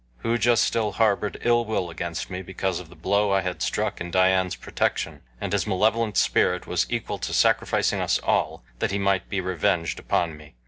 Hooja still harbored ill will against me because of the blow I had struck in Dian's protection, and his malevolent spirit was equal to sacrificing us all that he might be revenged upon me.